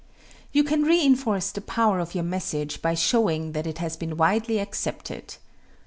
You can reinforce the power of your message by showing that it has been widely accepted.